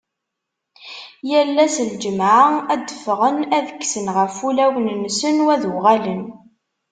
Yal ass n lǧemɛa ad d-ffɣen ad kksen ɣef ulawen-nsen u ad uɣalen.